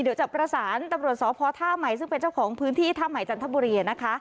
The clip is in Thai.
เดี๋ยวจะประสานตำรวจสพท่าใหม่ซึ่งเป็นเจ้าของพื้นที่ท่าใหม่จันทบุรีนะคะ